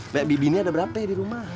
mbak bibinya ada berapa ya di rumah